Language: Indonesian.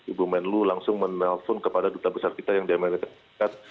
ibu menlu langsung menelpon kepada duta besar kita yang di amerika serikat